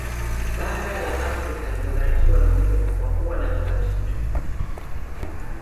Bara la Afrika limebarikiwa na Mungu kwa kuwa na kila kitu